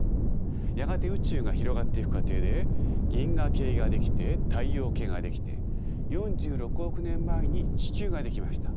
やがて宇宙が広がっていく過程で銀河系が出来て太陽系が出来て４６億年前に地球が出来ました。